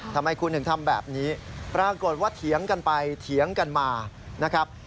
ทำไมคุณถึงทำแบบนี้ปรากฏว่าเถียงกันไปเถียงกันมานะครับ